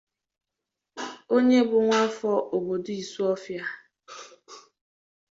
onye bụ nwaafọ obodo Isuofia